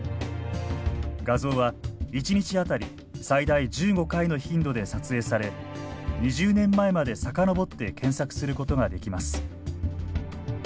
画像は１日当たり最大１５回の頻度で撮影され２０年前まで遡って検索することができます。